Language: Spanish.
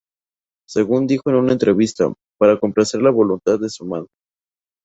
Según dijo en una entrevista, para complacer la voluntad de su madre.